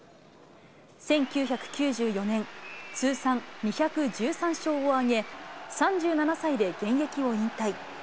１９９４年、通算２１３勝を挙げ、３７歳で現役を引退。